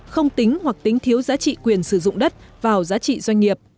không tính hoặc tính thiếu giá trị quyền sử dụng đất vào giá trị doanh nghiệp